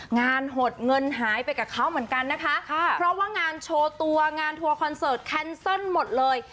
หดเงินหายไปกับเขาเหมือนกันนะคะเพราะว่างานโชว์ตัวงานทัวร์คอนเสิร์ตแคนเซิลหมดเลย